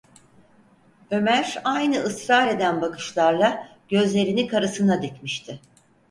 Ömer aynı ısrar eden bakışlarla gözlerini karısına dikmişti.